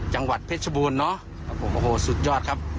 จังหวัดเพชรบูรณ์ครับ